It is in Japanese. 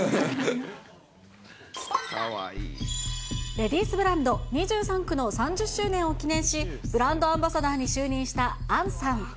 レディースブランド、２３区の３０周年を記念し、ブランドアンバサダーに就任した杏さん。